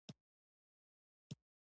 ملي حاکمیت د ټینګښت لپاره هڅه.